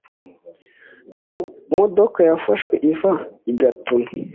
Iyo modoka yafashwe iva i Gatuna